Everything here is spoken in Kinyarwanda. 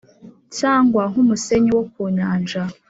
Cyangwa nk`umusenyi wo ku nyanja.